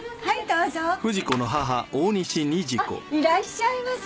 あっいらっしゃいませ。